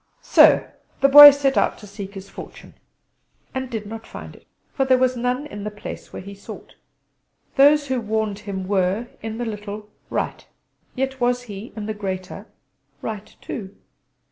So the Boy set out to seek his fortune, and did not find it; for there was none in the place where he sought. Those who warned him were in the little right: yet was he in the greater right too!